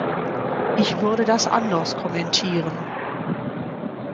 Ich würde das anders kommentieren.